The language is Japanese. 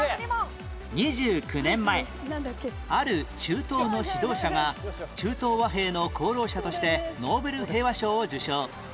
２９年前ある中東の指導者が中東和平の功労者としてノーベル平和賞を受賞